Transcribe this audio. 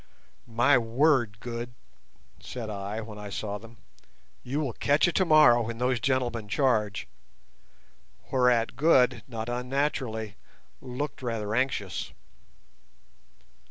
"My word, Good," said I, when I saw them, "you will catch it tomorrow when those gentlemen charge!" whereat Good not unnaturally looked rather anxious.